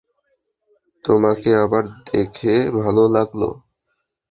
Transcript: তোমাকে আবার দেখে ভালো লাগলো।